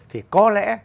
thì có lẽ